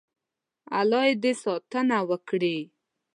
الله دې ساتنه وکړي.